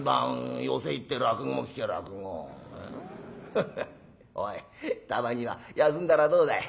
フフッおいたまには休んだらどうだい？」。